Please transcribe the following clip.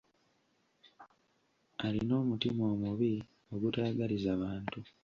Alina omutima omubi ogutayagaliza bantu.